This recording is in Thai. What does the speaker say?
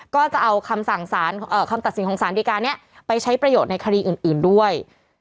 ก็จะเอาคำตัดสินของสารดีการนี้ไปใช้ประโยชน์ในคดีอื่นด้วย